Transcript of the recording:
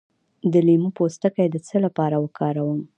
د لیمو پوستکی د څه لپاره وکاروم؟